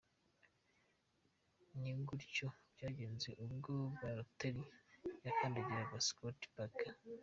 Ni gutyo byagenze ubwo Balotelli yakandagiraga Scott Parker.